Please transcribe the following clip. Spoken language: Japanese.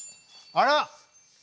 あら！